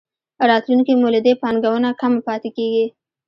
راتلونکې مولدې پانګونه کمه پاتې کېږي.